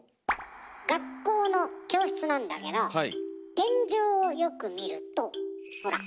学校の教室なんだけど天井をよく見るとほら。